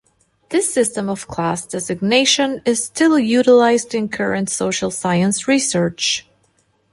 This system of class designation is still utilized in current social science research.